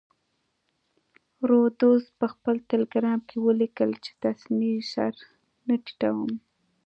رودز په خپل ټیلګرام کې ولیکل چې تسلیمۍ سر نه ټیټوم.